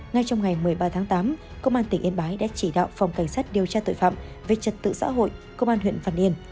ngay trong ngày một mươi ba tháng tám công an tỉnh yên bái đã chỉ đạo phòng cảnh sát điều tra tội phạm về trật tự xã hội công an huyện văn yên